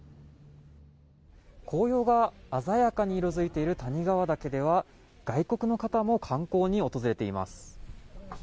紅葉が鮮やかに色づいている谷川岳では外国の方も観光に訪れています。